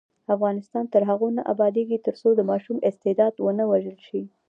افغانستان تر هغو نه ابادیږي، ترڅو د ماشوم استعداد ونه وژل شي.